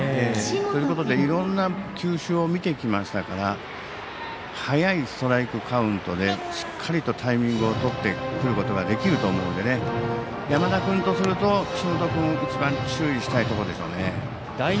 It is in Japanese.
ということでいろんな球種を見てきましたから速いストライクカウントでしっかりとタイミングをとってくることができると思うので山田君とすると岸本君一番、注意したいところでしょう。